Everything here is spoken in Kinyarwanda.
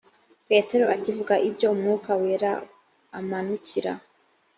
petero akivuga ibyo umwuka wera amanukira